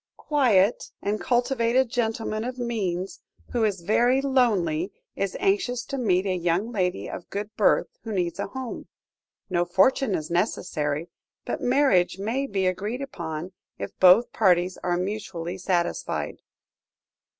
"Quiet and cultivated gentleman of means, who is very lonely, is anxious to meet a young lady of good birth who needs a home. No fortune is necessary, but marriage may be agreed upon, if both parties are mutually satisfied."